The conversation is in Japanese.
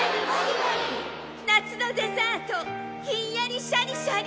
夏のデザートひんやりシャリシャリ。